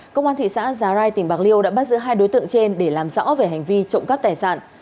công an thị xã giá rai tỉnh bạc liêu đã bắt giữ hai đối tượng trên để làm rõ về hành vi trộm cắp tài sản